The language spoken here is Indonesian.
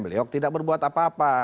beliau tidak berbuat apa apa